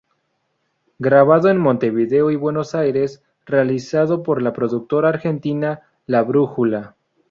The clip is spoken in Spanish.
Grabado en Montevideo y Buenos Aires realizado por la productora argentina La Brújula.